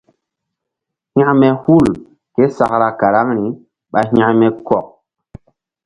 Hȩkme hul késakra karaŋri ɓa hȩkme kɔk.